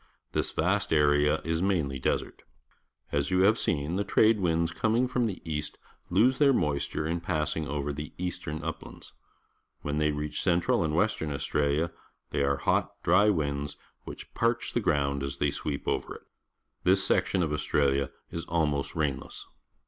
This vast area is mainly desert. As you ha\'e seen, the tr ade w lada coming from the Rainfall Map, Australia east lose their moisture in passing over the eastern uplands. Whenjthej^ reaclLXJentral and Western Australia, they are hot, dry winds, which parch the ground as they sweep over it. This section of Australia is almost rainless.